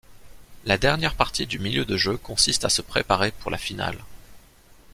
La dernière partie du milieu de jeu consiste à se préparer pour la finale.